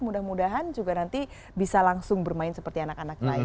mudah mudahan juga nanti bisa langsung bermain seperti anak anak lain